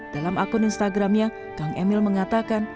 dalam akun instagramnya kang emil mengatakan